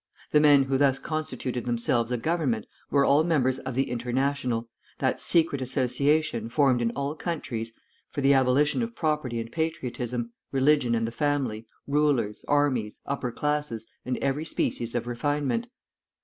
The men who thus constituted themselves a Government, were all members of the International, that secret association, formed in all countries, for the abolition of property and patriotism, religion and the family, rulers, armies, upper classes, and every species of refinement.